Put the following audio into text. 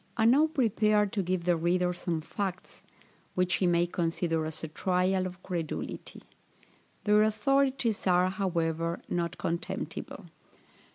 I now prepare to give the reader some facts, which he may consider as a trial of credulity. Their authorities are, however, not contemptible.